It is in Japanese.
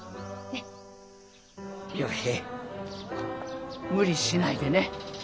陽平無理しないでね。